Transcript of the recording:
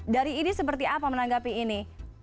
dari idi seperti apa menanggapi ini